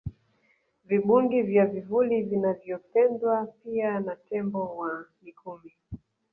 Vibungi vya vivuli vinavyopendwa pia na tembo wa Mikumi